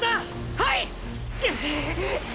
はい！！